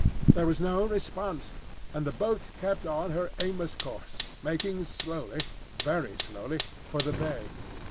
There was no response, and the boat kept on her aimless course, making slowly, very slowly, for the bay.